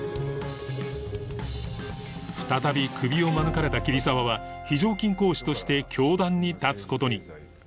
再びクビを免れた桐沢は非常勤講師として教壇に立つ事に